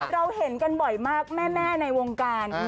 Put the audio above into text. เราเห็นกันบ่อยมากแม่ในวงการ